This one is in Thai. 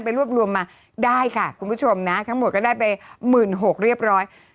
รวบรวมมาได้ค่ะคุณผู้ชมนะทั้งหมดก็ได้ไป๑๖๐๐เรียบร้อย